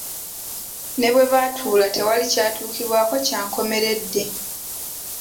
Ne bwe baatuula tewali kyatuukibwako kya nkomeredde.